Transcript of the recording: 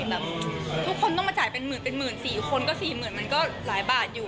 แบบทุกคนต้องมาจ่ายเป็นหมื่นเป็นหมื่นสี่คนก็๔๐๐๐มันก็หลายบาทอยู่